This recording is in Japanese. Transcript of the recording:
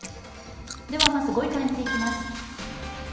では、まず５位から見ていきます。